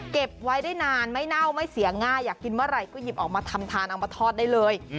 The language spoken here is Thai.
เก็บไว้ได้นานไม่เน่าไม่เสียง่ายอยากกินเมื่อไหร่ก็หยิบออกมาทำทานเอามาทอดได้เลย